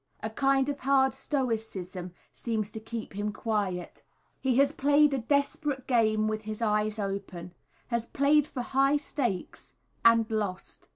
A kind of hard stoicism seems to keep him quiet; he has played a desperate game with his eyes open, has played for high stakes and lost.